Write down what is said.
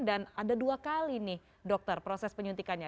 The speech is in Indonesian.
dan ada dua kali nih dokter proses penyuntikannya